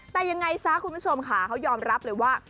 แต่ยังไงซะคุณผู้ชมค่ะเขายอมรับเลยว่า